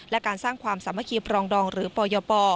และการสร้างความสามัคคีปรองดองหรือปยป